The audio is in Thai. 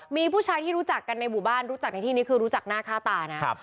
มีผู้ชายที่รู้จักกันในหมู่บ้านรู้จักในที่นี้คือรู้จักหน้าค่าตานะ